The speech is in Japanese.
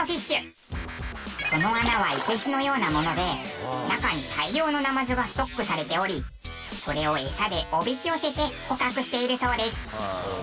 この穴は生簀のようなもので中に大量のナマズがストックされておりそれを餌でおびき寄せて捕獲しているそうです。